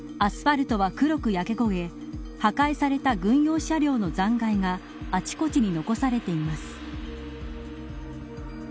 アスファルトは黒く焼けこげ破壊された軍用車両の残骸があちこちに残されています。